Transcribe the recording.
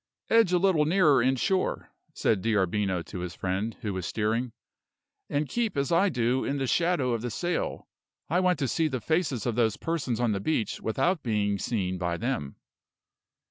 "Edge a little nearer in shore," said D'Arbino to his friend, who was steering; "and keep as I do in the shadow of the sail. I want to see the faces of those persons on the beach without being seen by them."